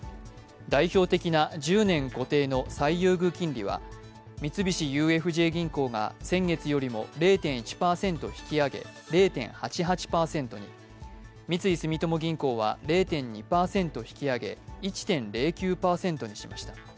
代表的な１０年固定金利の最優遇金利は三菱ＵＦＪ銀行が先月よりも０．１％引き上げ０．８８％に、三井住友銀行は０．２％引き上げ１．０９％にしました。